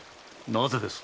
なぜです？